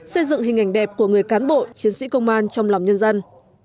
xây dựng hình ảnh đẹp của người cán bộ chiến sĩ công an trong lòng nhân dân